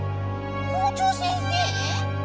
校長先生！？